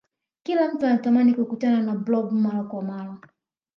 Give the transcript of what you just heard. kila mtu anatamani kukutana na blob mara kwa mara